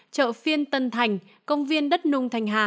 chợ phiên tân thành công viên đất nung thành hà